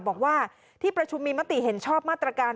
บอกว่าที่ประชุมมีมติเห็นชอบมาตรการ